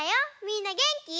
みんなげんき？